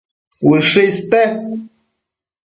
Ushë iste